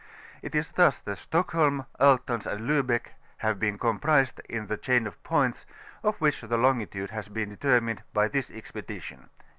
It is thus that Stodcholm, Altona, and Lubeck have been comprised in the chain of points of which the longitude has be^ determined by this expedition.